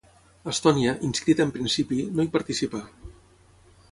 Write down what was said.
Estònia, inscrita en principi, no hi participà.